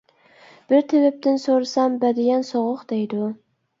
بىر تېۋىپتىن سورىسام بەدىيان سوغۇق دەيدۇ.